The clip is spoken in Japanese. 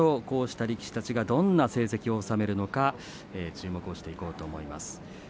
こうした力士たちがどんな成績を収めるのか注目していこうと思います。